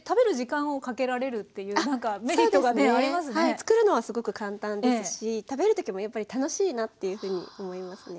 作るのはすごく簡単ですし食べるときもやっぱり楽しいなっていうふうに思いますね。